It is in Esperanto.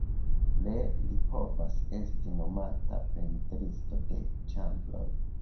Ie li povas esti nomata pentristo de ĉambroj.